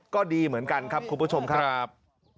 ก็ดีเหมือนกันครับคุณผู้ชมครับ